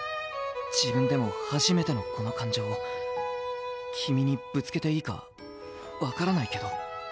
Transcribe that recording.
自分でも初めてのこの感情を君にぶつけていいかわからないけど。